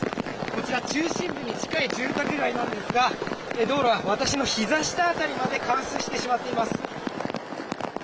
こちら、中心部に近い住宅街なんですが道路は私のひざ下辺りまで冠水してしまっています。